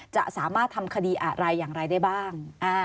จะสามารถทำคดีอะไรอย่างไรได้บ้าง